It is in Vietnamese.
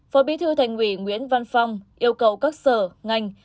phó bí thư thành ủy nguyễn văn phong yêu cầu các sở ngành